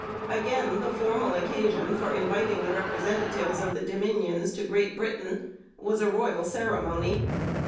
Again the formal occasion for inviting the representatives of the Dominions to Great Britain was a royal ceremony.